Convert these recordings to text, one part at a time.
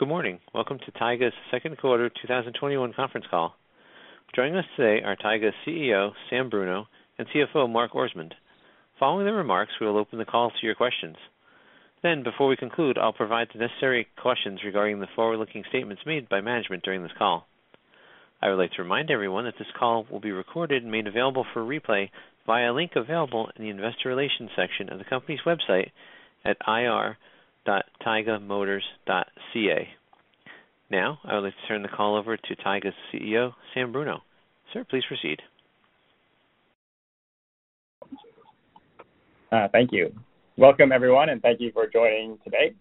Good morning. Welcome to Taiga's second quarter 2021 conference call. Joining us today are Taiga's CEO, Samuel Bruneau, and CFO, Mark Orsmond. Following their remarks, we will open the call to your questions. Before we conclude, I'll provide the necessary cautions regarding the forward-looking statements made by management during this call. I would like to remind everyone that this call will be recorded and made available for replay via a link available in the investor relations section of the company's website at ir.taigamotors.ca. I would like to turn the call over to Taiga's CEO, Samuel Bruneau. Sir, please proceed. Thank you. Welcome everyone, and thank you for joining today.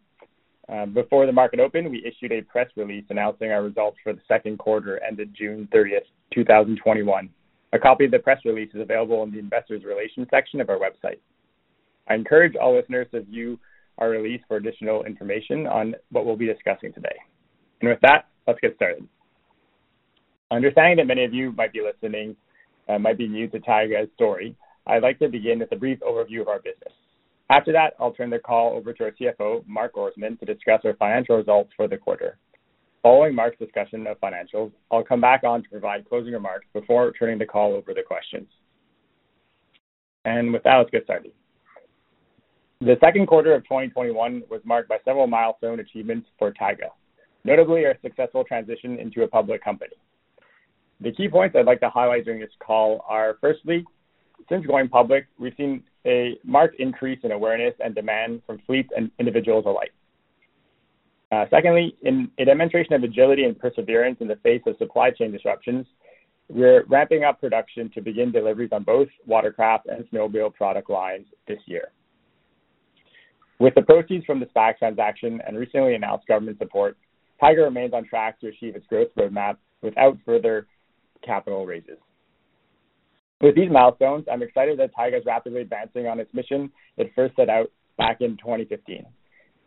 Before the market opened, we issued a press release announcing our results for the second quarter ended June 30th, 2021. A copy of the press release is available on the investor relations section of our website. I encourage all listeners to view our release for additional information on what we'll be discussing today. With that, let's get started. Understanding that many of you might be listening, might be new to Taiga's story, I'd like to begin with a brief overview of our business. After that, I'll turn the call over to our CFO, Mark Orsmond, to discuss our financial results for the quarter. Following Mark's discussion of financials, I'll come back on to provide closing remarks before turning the call over to questions. With that, let's get started. The second quarter of 2021 was marked by several milestone achievements for Taiga, notably our successful transition into a public company. The key points I'd like to highlight during this call are, firstly, since going public, we've seen a marked increase in awareness and demand from fleets and individuals alike. Secondly, in a demonstration of agility and perseverance in the face of supply chain disruptions, we're ramping up production to begin deliveries on both watercraft and snowmobile product lines this year. With the proceeds from the SPAC transaction and recently announced government support, Taiga remains on track to achieve its growth roadmap without further capital raises. With these milestones, I'm excited that Taiga is rapidly advancing on its mission it first set out back in 2015.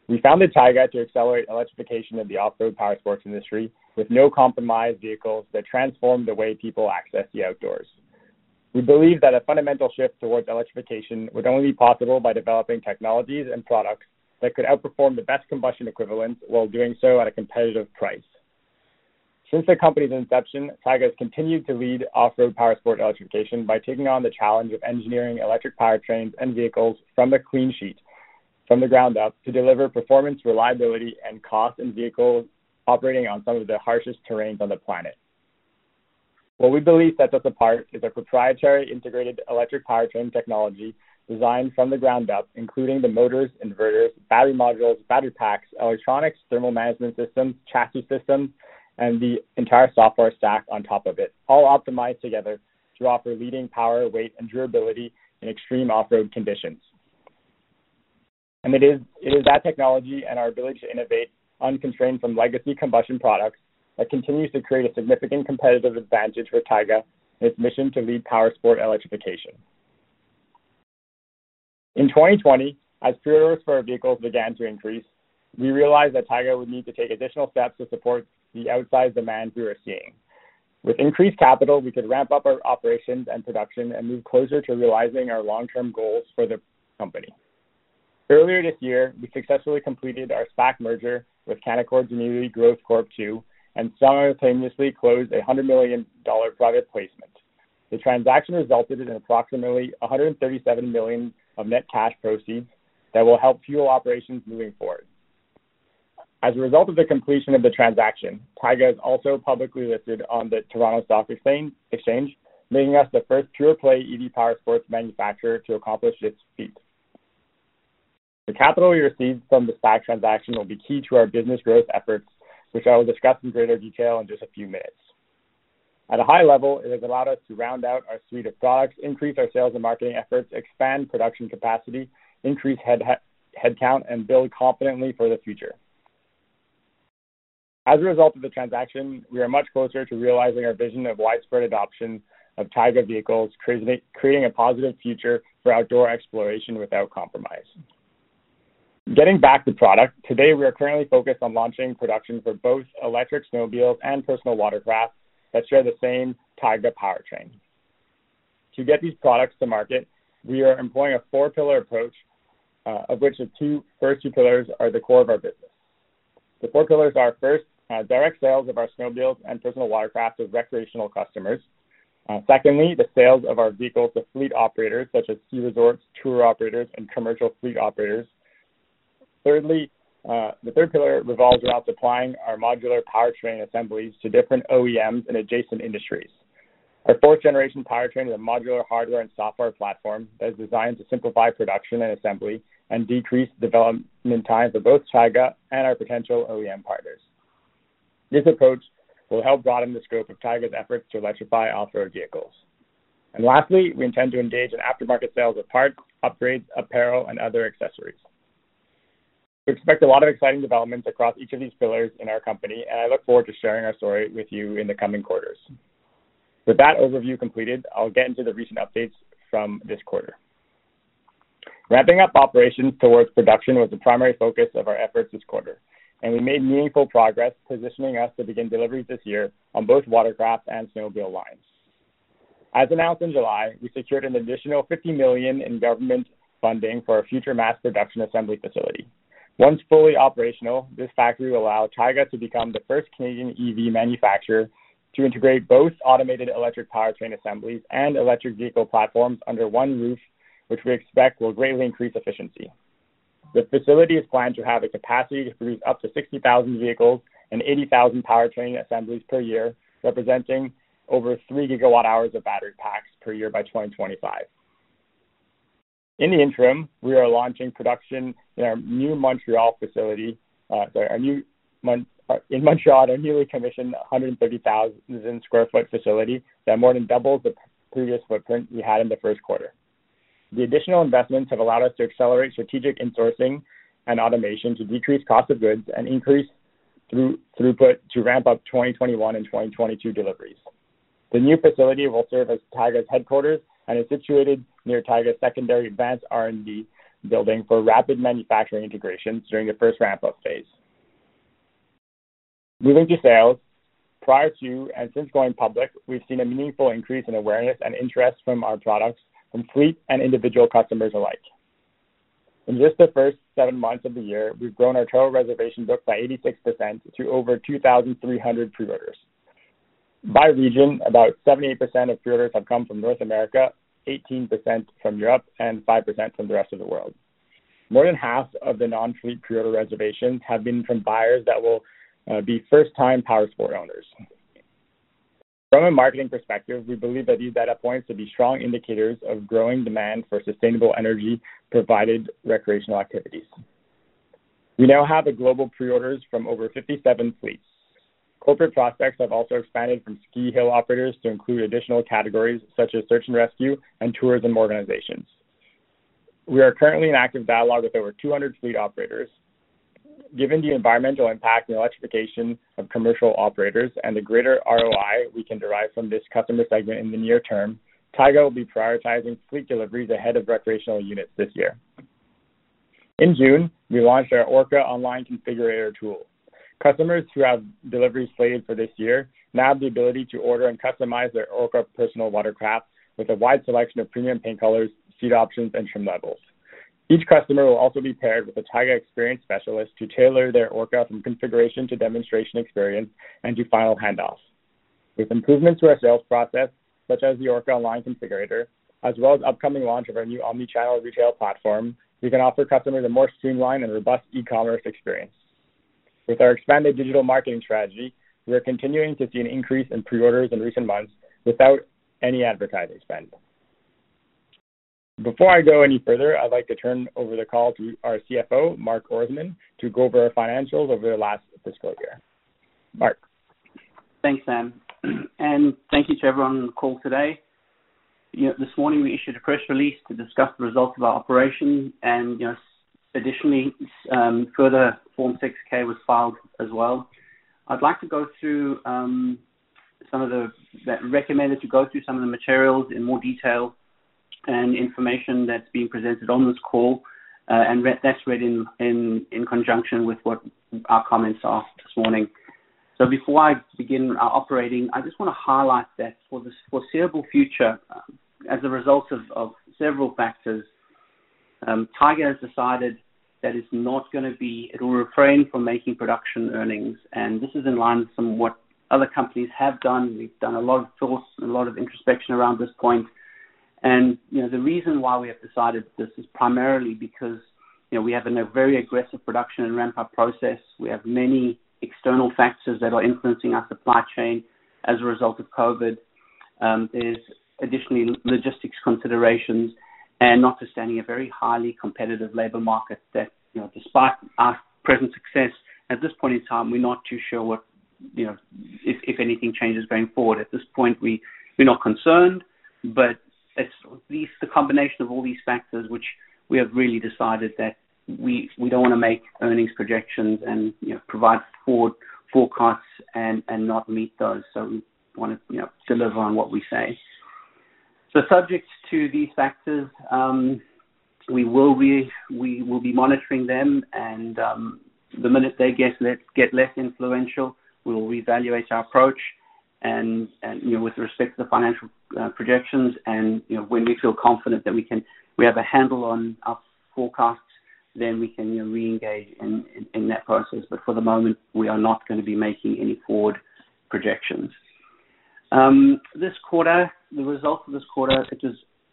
We founded Taiga to accelerate electrification of the off-road powersport industry with no-compromise vehicles that transform the way people access the outdoors. We believe that a fundamental shift towards electrification would only be possible by developing technologies and products that could outperform the best combustion equivalents while doing so at a competitive price. Since the company's inception, Taiga has continued to lead off-road powersport electrification by taking on the challenge of engineering electric powertrains and vehicles from a clean sheet, from the ground up to deliver performance, reliability, and cost in vehicles operating on some of the harshest terrains on the planet. What we believe sets us apart is our proprietary integrated electric powertrain technology designed from the ground up, including the motors, inverters, battery modules, battery packs, electronics, thermal management systems, chassis systems, and the entire software stack on top of it, all optimized together to offer leading power, weight, and durability in extreme off-road conditions. It is that technology and our ability to innovate unconstrained from legacy combustion products that continues to create a significant competitive advantage for Taiga and its mission to lead powersport electrification. In 2020, as preorders for our vehicles began to increase, we realized that Taiga would need to take additional steps to support the outsized demand we were seeing. With increased capital, we could ramp up our operations and production and move closer to realizing our long-term goals for the company. Earlier this year, we successfully completed our SPAC merger with Canaccord Genuity Growth II Corp. and simultaneously closed a 100 million dollar private placement. The transaction resulted in approximately 137 million of net cash proceeds that will help fuel operations moving forward. As a result of the completion of the transaction, Taiga is also publicly listed on the Toronto Stock Exchange, making us the first pure-play EV powersports manufacturer to accomplish this feat. The capital we received from the SPAC transaction will be key to our business growth efforts, which I will discuss in greater detail in just a few minutes. At a high level, it has allowed us to round out our suite of products, increase our sales and marketing efforts, expand production capacity, increase headcount, and build confidently for the future. As a result of the transaction, we are much closer to realizing our vision of widespread adoption of Taiga vehicles, creating a positive future for outdoor exploration without compromise. Getting back to product, today we are currently focused on launching production for both electric snowmobiles and personal watercraft that share the same Taiga powertrain. To get these products to market, we are employing a 4-pillar approach, of which the 2 pillars are the core of our business. The 4 pillars are, 1st, direct sales of our snowmobiles and personal watercraft to recreational customers. 2nd, the sales of our vehicles to fleet operators, such as sea resorts, tour operators, and commercial fleet operators. 3rd, the 3rd pillar revolves around supplying our modular powertrain assemblies to different OEMs in adjacent industries. Our 4th-generation powertrain is a modular hardware and software platform that is designed to simplify production and assembly and decrease development times of both Taiga and our potential OEM partners. This approach will help broaden the scope of Taiga's efforts to electrify off-road vehicles. Lastly, we intend to engage in aftermarket sales of parts, upgrades, apparel, and other accessories. We expect a lot of exciting developments across each of these pillars in our company, and I look forward to sharing our story with you in the coming quarters. With that overview completed, I'll get into the recent updates from this quarter. Ramping up operations towards production was the primary focus of our efforts this quarter, and we made meaningful progress positioning us to begin deliveries this year on both watercraft and snowmobile lines. As announced in July, we secured an additional 50 million in government funding for our future mass production assembly facility. Once fully operational, this factory will allow Taiga to become the first Canadian EV manufacturer to integrate both automated electric powertrain assemblies and electric vehicle platforms under one roof, which we expect will greatly increase efficiency. The facility is planned to have a capacity to produce up to 60,000 vehicles and 80,000 powertrain assemblies per year, representing over 3 gigawatt hours of battery packs per year by 2025. In the interim, we are launching production in our new Montreal facility, our newly commissioned 130,000 square foot facility that more than doubles the previous footprint we had in the first quarter. The additional investments have allowed us to accelerate strategic insourcing and automation to decrease cost of goods and increase throughput to ramp up 2021 and 2022 deliveries. The new facility will serve as Taiga's headquarters and is situated near Taiga's secondary advanced R&D building for rapid manufacturing integrations during the first ramp-up phase. Moving to sales. Prior to and since going public, we've seen a meaningful increase in awareness and interest from our products from fleet and individual customers alike. In just the first seven months of the year, we've grown our total reservation book by 86% to over 2,300 pre-orders. By region, about 78% of pre-orders have come from North America, 18% from Europe, and 5% from the rest of the world. More than half of the non-fleet pre-order reservations have been from buyers that will be first-time powersport owners. From a marketing perspective, we believe that these data points are strong indicators of growing demand for sustainable energy provided recreational activities. We now have the global pre-orders from over 57 fleets. Corporate prospects have also expanded from ski hill operators to include additional categories such as search and rescue and tourism organizations. We are currently in active dialogue with over 200 fleet operators. Given the environmental impact and electrification of commercial operators and the greater ROI we can derive from this customer segment in the near term, Taiga will be prioritizing fleet deliveries ahead of recreational units this year. In June, we launched our Orca online configurator tool. Customers who have deliveries slated for this year now have the ability to order and customize their Orca personal watercraft with a wide selection of premium paint colors, seat options, and trim levels. Each customer will also be paired with a Taiga experience specialist to tailor their Orca from configuration to demonstration experience and do final handoffs. With improvements to our sales process, such as the Orca online configurator, as well as upcoming launch of our new omni-channel retail platform, we can offer customers a more streamlined and robust e-commerce experience. With our expanded digital marketing strategy, we are continuing to see an increase in pre-orders in recent months without any advertising spend. Before I go any further, I'd like to turn over the call to our CFO, Mark Orsmond, to go over our financials over the last fiscal year. Mark? Thanks, Sam, and thank you to everyone on the call today. This morning we issued a press release to discuss the results of our operation, and additionally, further Form 6-K was filed as well. I'd like to recommend going through some of the materials in more detail and information that's being presented on this call, and that's read in conjunction with what our comments are this morning. Before I begin operating, I just want to highlight that for the foreseeable future, as a result of several factors, Taiga has decided that it will refrain from making production earnings. This is in line with what some other companies have done. We've done a lot of thoughts and a lot of introspection around this point. The reason why we have decided this is primarily because we have a very aggressive production and ramp-up process. We have many external factors that are influencing our supply chain as a result of COVID. There's additionally logistics considerations and notwithstanding a very highly competitive labor market that despite our present success, at this point in time, we're not too sure if anything changes going forward. At this point, we're not concerned, but it's the combination of all these factors which we have really decided that we don't want to make earnings projections and provide forward forecasts and not meet those. We want to deliver on what we say. Subject to these factors, we will be monitoring them, and the minute they get less influential, we will reevaluate our approach. With respect to the financial projections, and when we feel confident that we have a handle on our forecasts, then we can reengage in that process. For the moment, we are not going to be making any forward projections. This quarter, the results of this quarter,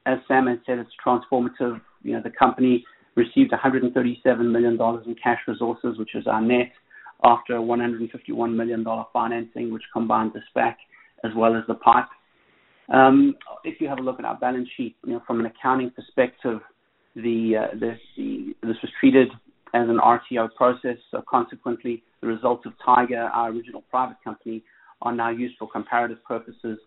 as Sam has said, it's transformative. The company received 137 million dollars in cash resources, which is our net, after 151 million dollar financing, which combined the SPAC as well as the PIPE. If you have a look at our balance sheet, from an accounting perspective, this was treated as an RTO process. Consequently, the results of Taiga, our original private company, are now used for comparative purposes.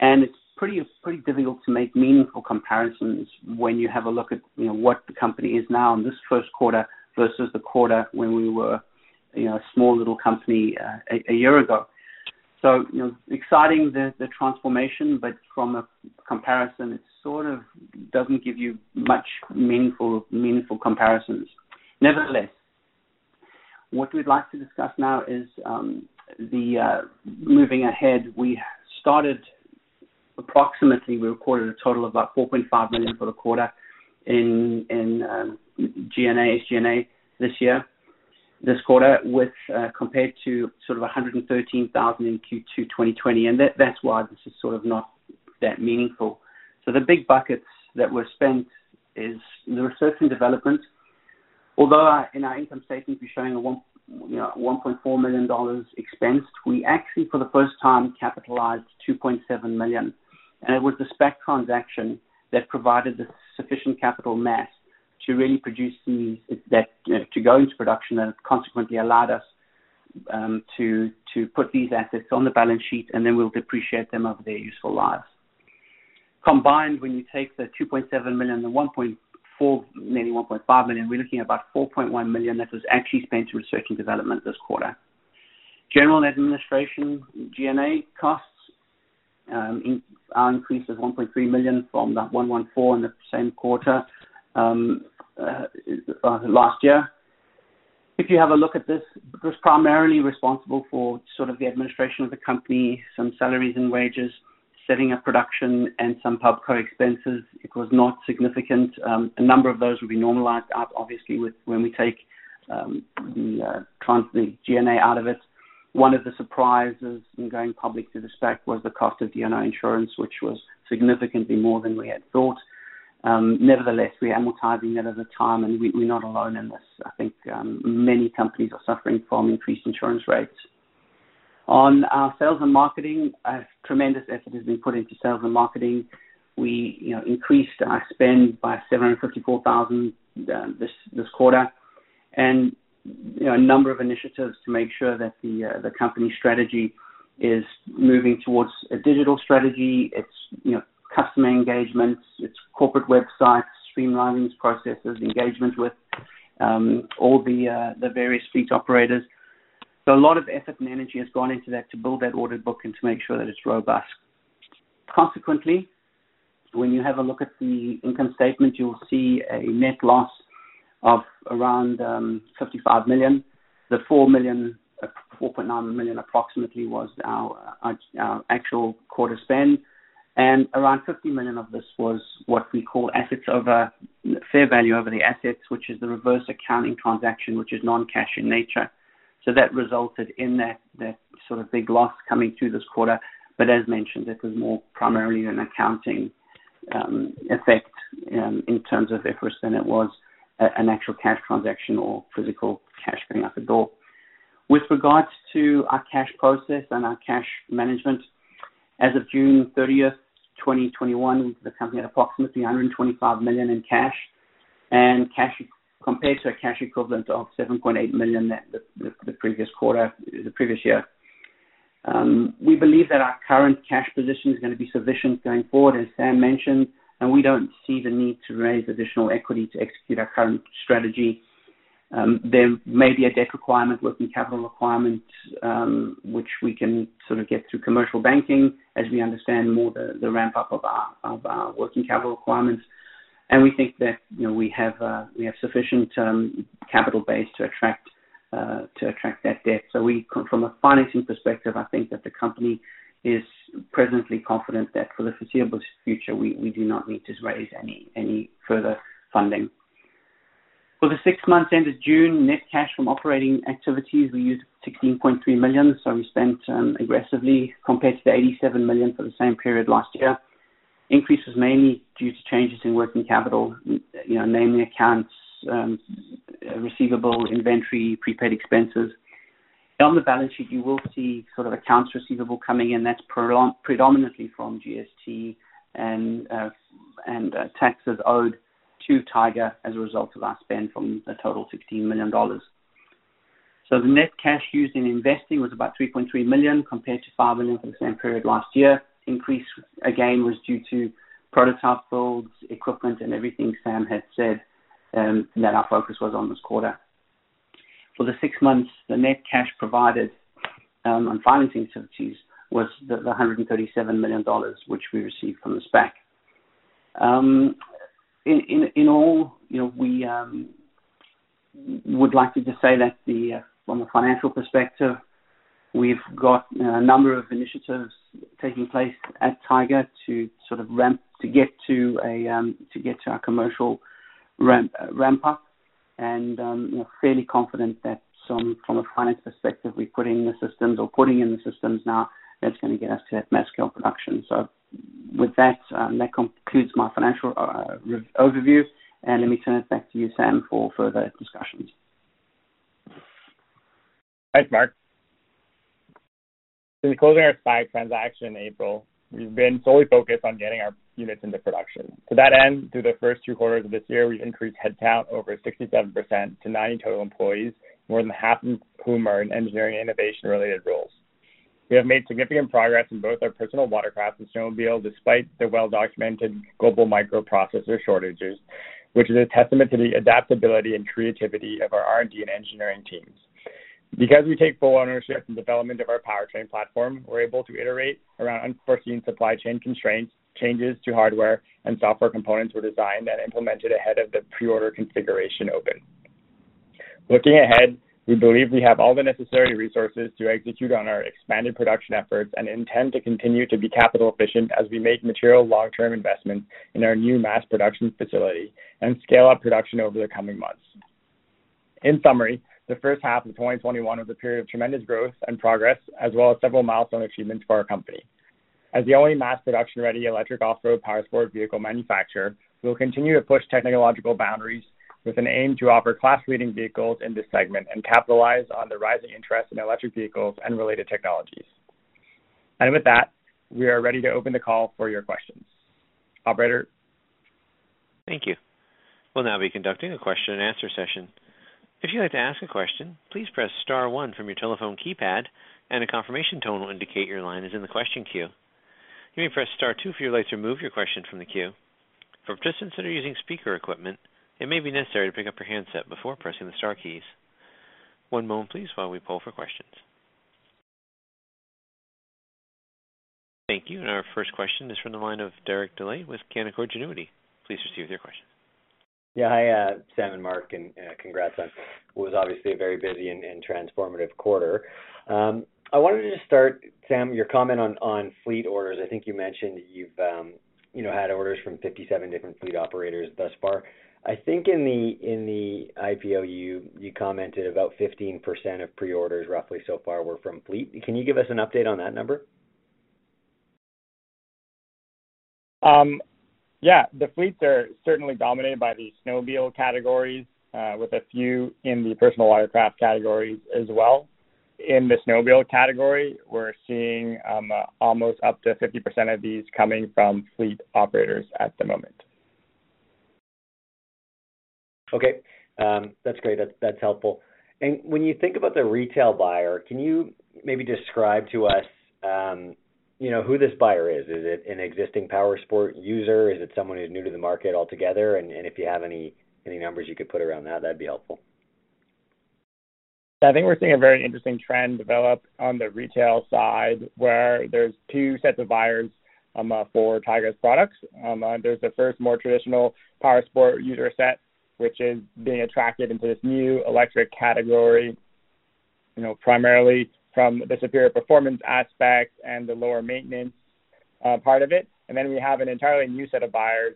It's pretty difficult to make meaningful comparisons when you have a look at what the company is now in this first quarter versus the quarter when we were a small little company a year ago. Exciting the transformation, but from a comparison, it sort of doesn't give you much meaningful comparisons. What we'd like to discuss now is moving ahead. We started approximately, we recorded a total of about 4.5 million for the quarter in G&A, SG&A this year, this quarter, with compared to sort of 113,000 in Q2 2020. That's why this is sort of not that meaningful. The big buckets that were spent is the research and development. Although in our income statement, we're showing a 1.4 million dollars expensed, we actually for the first time capitalized 2.7 million, and it was the SPAC transaction that provided the sufficient capital mass to really produce that to go into production and consequently allowed us to put these assets on the balance sheet and then we'll depreciate them over their useful lives. Combined, when you take the 2.7 million, the 1.4 million, nearly 1.5 million, we're looking at about 4.1 million that was actually spent to research and development this quarter. General and administration, G&A costs increased to CAD 1.3 million from that 1.4 million in the same quarter last year. If you have a look at this, it was primarily responsible for sort of the administration of the company, some salaries and wages, setting up production and some Pubco expenses. It was not significant. A number of those will be normalized out obviously with when we take the G&A out of it. One of the surprises in going public through the SPAC was the cost of D&O insurance, which was significantly more than we had thought. We're amortizing that over time and we're not alone in this. I think many companies are suffering from increased insurance rates. On our sales and marketing, a tremendous effort has been put into sales and marketing. We increased our spend by 754,000 this quarter and a number of initiatives to make sure that the company strategy is moving towards a digital strategy. It's customer engagements, it's corporate websites, streamlining processes, engagement with all the various fleet operators. A lot of effort and energy has gone into that to build that order book and to make sure that it's robust. When you have a look at the income statement, you'll see a net loss of around 55 million. The 4.9 million approximately was our actual quarter spend. Around 50 million of this was what we call fair value over the assets, which is the reverse accounting transaction, which is non-cash in nature. That resulted in that sort of big loss coming through this quarter. As mentioned, this was more primarily an accounting effect in terms of efforts than it was an actual cash transaction or physical cash going out the door. With regards to our cash process and our cash management, as of June 30th, 2021, the company had approximately 125 million in cash and compared to a cash equivalent of 7.8 million the previous year. We believe that our current cash position is going to be sufficient going forward, as Sam mentioned. We don't see the need to raise additional equity to execute our current strategy. There may be a debt requirement, working capital requirement which we can sort of get through commercial banking as we understand more the ramp-up of our working capital requirements. We think that we have sufficient capital base to attract that debt. From a financing perspective, I think that the company is presently confident that for the foreseeable future, we do not need to raise any further funding. For the six months ended June, net cash from operating activities, we used 16.3 million. We spent aggressively compared to the 87 million for the same period last year. Increase was mainly due to changes in working capital, namely accounts receivable, inventory, prepaid expenses. On the balance sheet, you will see sort of accounts receivable coming in. That's predominantly from GST and taxes owed to Taiga as a result of our spend from a total 16 million dollars. The net cash used in investing was about 3.3 million compared to 5 million for the same period last year. Increase again, was due to prototype builds, equipment and everything Sam had said that our focus was on this quarter. For the six months, the net cash provided on financing activities was the 137 million dollars, which we received from the SPAC. In all, we would like to just say that from a financial perspective, we've got a number of initiatives taking place at Taiga to sort of ramp to get to our commercial ramp up and fairly confident that from a finance perspective, we're putting in the systems now that's going to get us to that mass scale production. With that concludes my financial overview and let me turn it back to you, Sam, for further discussions. Thanks, Mark. Since closing our SPAC transaction in April, we've been solely focused on getting our units into production. To that end, through the first two quarters of this year, we've increased headcount over 67% to 90 total employees, more than half of whom are in engineering and innovation-related roles. We have made significant progress in both our personal watercraft and snowmobile despite the well-documented global microprocessor shortages, which is a testament to the adaptability and creativity of our R&D and engineering teams. Because we take full ownership in the development of our powertrain platform, we're able to iterate around unforeseen supply chain constraints, changes to hardware, and software components were designed and implemented ahead of the pre-order configuration open. Looking ahead, we believe we have all the necessary resources to execute on our expanded production efforts and intend to continue to be capital efficient as we make material long-term investments in our new mass production facility and scale up production over the coming months. In summary, the first half of 2021 was a period of tremendous growth and progress, as well as several milestone achievements for our company. As the only mass-production-ready electric off-road powersport vehicle manufacturer, we will continue to push technological boundaries with an aim to offer class-leading vehicles in this segment and capitalize on the rising interest in electric vehicles and related technologies. With that, we are ready to open the call for your questions. Operator? Thank you. One moment please while we poll for questions. Thank you. Our first question is from the line of Derek Dley with Canaccord Genuity. Please proceed with your question. Yeah. Hi, Sam and Mark, and congrats on what was obviously a very busy and transformative quarter. I wanted to start, Sam, your comment on fleet orders. I think you mentioned that you've had orders from 57 different fleet operators thus far. I think in the IPO, you commented about 15% of pre-orders roughly so far were from fleet. Can you give us an update on that number? Yeah. The fleets are certainly dominated by the snowmobile categories, with a few in the personal watercraft categories as well. In the snowmobile category, we're seeing almost up to 50% of these coming from fleet operators at the moment. Okay. That's great. That's helpful. When you think about the retail buyer, can you maybe describe to us who this buyer is? Is it an existing powersport user? Is it someone who's new to the market altogether? If you have any numbers you could put around that'd be helpful. I think we're seeing a very interesting trend develop on the retail side, where there's 2 sets of buyers for Taiga's products. There's the first more traditional powersport user set, which is being attracted into this new electric category, primarily from the superior performance aspect and the lower maintenance part of it. We have an entirely new set of buyers.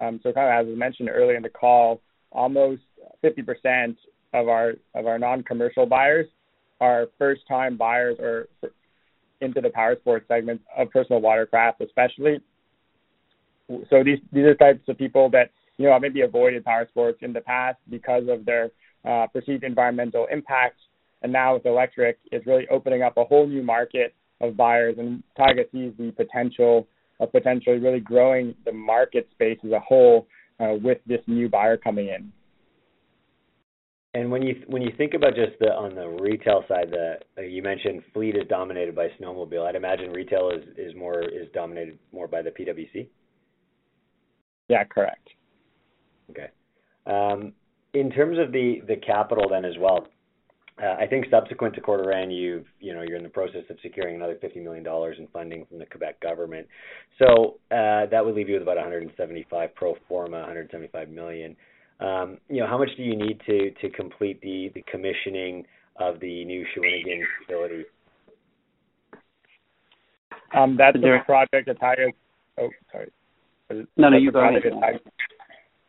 Kind of as we mentioned earlier in the call, almost 50% of our non-commercial buyers are first-time buyers into the powersport segment of personal watercraft, especially. These are types of people that maybe avoided powersport in the past because of their perceived environmental impacts. Now with electric, it's really opening up a whole new market of buyers, and Taiga sees the potential of potentially really growing the market space as a whole, with this new buyer coming in. When you think about just on the retail side, you mentioned fleet is dominated by snowmobile. I'd imagine retail is dominated more by the PWC? Yeah, correct. Okay. In terms of the capital as well, I think subsequent to quarter end, you're in the process of securing another 50 million dollars in funding from the Quebec government. That would leave you with about 175 pro forma, 175 million. How much do you need to complete the commissioning of the new Shawinigan facility? That's a project that Oh, sorry. No, no. You go ahead.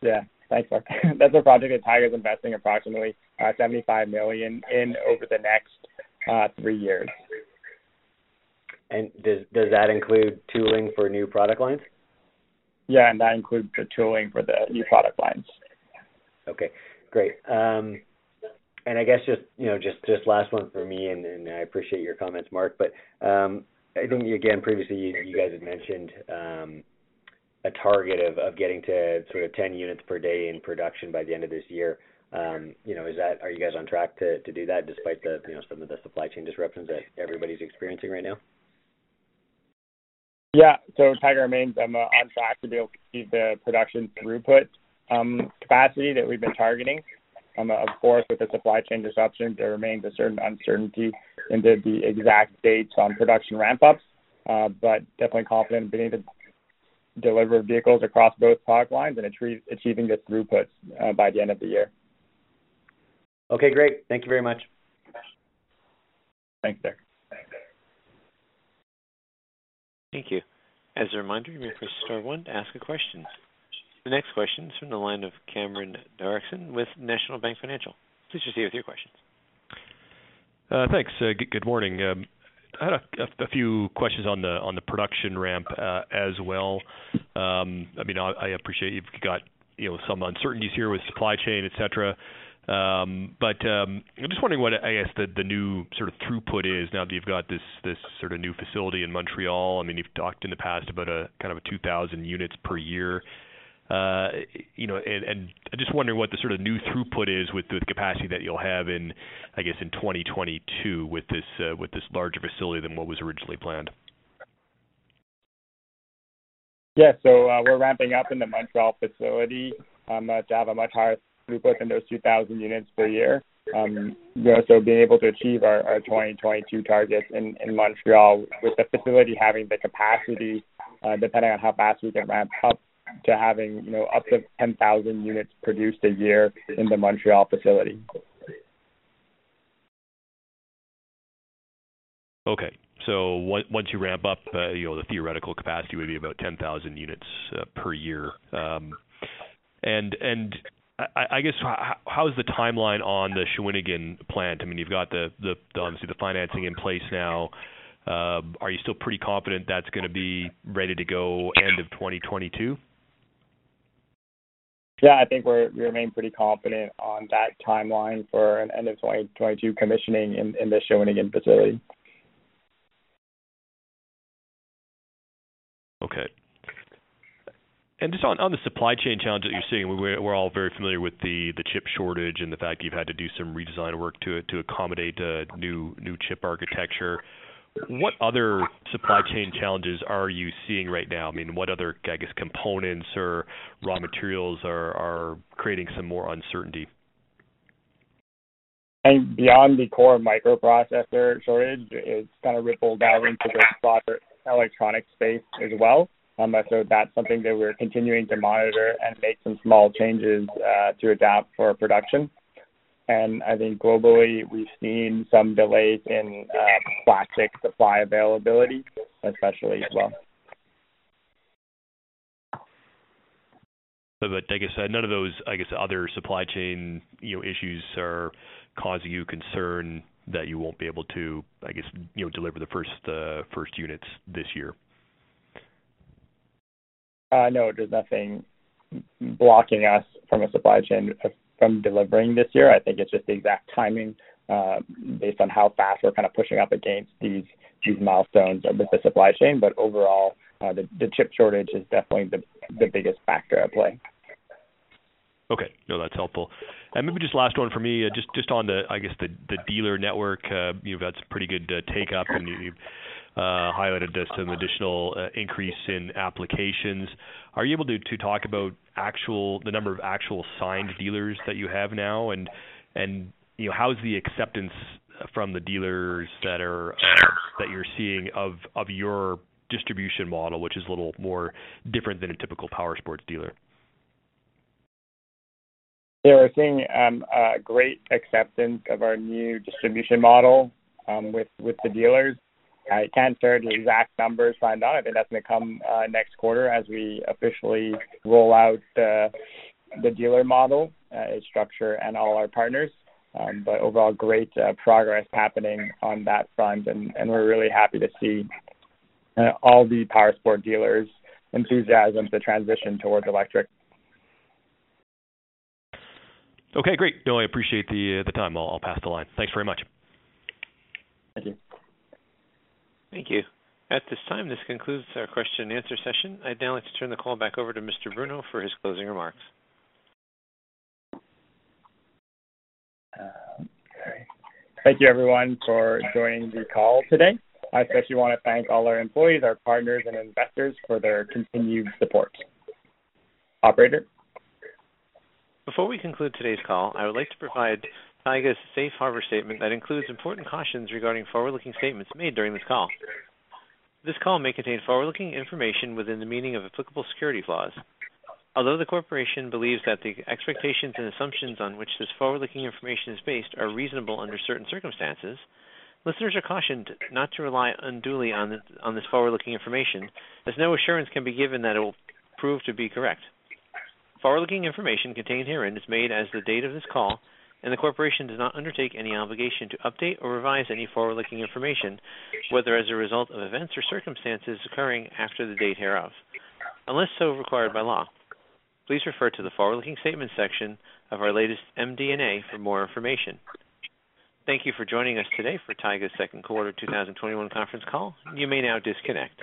Yeah. Thanks, Mark. That's a project that Taiga's investing approximately 75 million in over the next three years. Does that include tooling for new product lines? Yeah, that includes the tooling for the new product lines. Okay, great. I guess just last one from me, and then I appreciate your comments, Mark. I think, again, previously you guys had mentioned a target of getting to sort of 10 units per day in production by the end of this year. Are you guys on track to do that despite some of the supply chain disruptions that everybody's experiencing right now? Yeah. Taiga remains on track to be able to achieve the production throughput capacity that we've been targeting. Of course, with the supply chain disruptions, there remains a certain uncertainty into the exact dates on production ramp-ups. Definitely confident in being able to deliver vehicles across both product lines and achieving this throughput by the end of the year. Okay, great. Thank you very much. Thanks, Derek. Thank you. As a reminder, you may press star one to ask a question. The next question is from the line of Cameron Doerksen with National Bank Financial. Please proceed with your questions. Thanks. Good morning. I had a few questions on the production ramp as well. I appreciate you've got some uncertainties here with supply chain, et cetera. I'm just wondering what, I guess, the new sort of throughput is now that you've got this sort of new facility in Montreal. You've talked in the past about kind of 2,000 units per year. Just wondering what the sort of new throughput is with the capacity that you'll have, I guess, in 2022 with this larger facility than what was originally planned. Yes. We're ramping up in the Montreal facility. Taiga Motors, we put in those 2,000 units per year. We're also being able to achieve our 2022 targets in Montreal with the facility having the capacity, depending on how fast we can ramp up to having up to 10,000 units produced a year in the Montreal facility. Okay. Once you ramp up, the theoretical capacity would be about 10,000 units per year. I guess, how is the timeline on the Shawinigan plant? You've got, obviously, the financing in place now. Are you still pretty confident that's going to be ready to go end of 2022? Yeah, I think we remain pretty confident on that timeline for an end of 2022 commissioning in the Shawinigan facility. Okay. Just on the supply chain challenges you're seeing, we're all very familiar with the chip shortage and the fact you've had to do some redesign work to accommodate a new chip architecture. What other supply chain challenges are you seeing right now? What other, I guess, components or raw materials are creating some more uncertainty? Beyond the core microprocessor shortage, it's kind of rippled out into the broader electronic space as well. That's something that we're continuing to monitor and make some small changes to adapt for production. I think globally, we've seen some delays in plastic supply availability especially as well. I guess none of those other supply chain issues are causing you concern that you won't be able to deliver the first units this year? No, there's nothing blocking us from a supply chain from delivering this year. I think it's just the exact timing, based on how fast we're pushing up against these milestones with the supply chain. Overall, the chip shortage is definitely the biggest factor at play. Okay. No, that's helpful. Maybe just last one from me, just on the, I guess, the dealer network, you've had some pretty good take-up and you've highlighted just an additional increase in applications. Are you able to talk about the number of actual signed dealers that you have now? How is the acceptance from the dealers that you're seeing of your distribution model, which is a little more different than a typical powersport dealer? Yeah. We're seeing a great acceptance of our new distribution model with the dealers. I can't share the exact numbers signed on. I think that's going to come next quarter as we officially roll out the dealer model structure and all our partners. Overall, great progress happening on that front, and we're really happy to see all the powersport dealers' enthusiasm to transition towards electric. Okay, great. No, I appreciate the time. I'll pass the line. Thanks very much. Thank you. Thank you. At this time, this concludes our question and answer session. I'd now like to turn the call back over to Mr. Bruneau for his closing remarks. Okay. Thank you everyone for joining the call today. I especially want to thank all our employees, our partners, and investors for their continued support. Operator? Before we conclude today's call, I would like to provide Taiga's Safe Harbor statement that includes important cautions regarding forward-looking statements made during this call. This call may contain forward-looking information within the meaning of applicable security laws. Although the corporation believes that the expectations and assumptions on which this forward-looking information is based are reasonable under certain circumstances, listeners are cautioned not to rely unduly on this forward-looking information, as no assurance can be given that it will prove to be correct. Forward-looking information contained herein is made as the date of this call, and the corporation does not undertake any obligation to update or revise any forward-looking information, whether as a result of events or circumstances occurring after the date hereof, unless so required by law. Please refer to the forward-looking statements section of our latest MD&A for more information. Thank you for joining us today for Taiga's second quarter 2021 conference call. You may now disconnect.